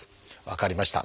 分かりました。